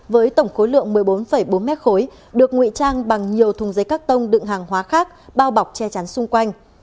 với tổng khối lượng một mươi bốn bốn mét khối được nguy trang bằng nhiều thùng giấy cắt tông đựng hàng hóa khác bao bọc che chắn xung quanh